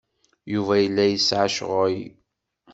Yuba yella yesɛa ccɣel.